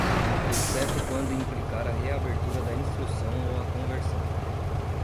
exceto quando implicar a reabertura da instrução ou a conversão